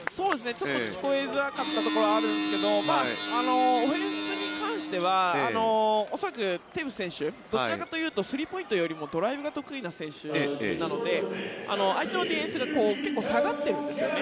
ちょっと聞こえづらかったところはあるんですけどオフェンスに関しては恐らく、テーブス選手どちらかというとスリーポイントよりもドライブが得意な選手なので相手のディフェンスが結構下がってるんですよね。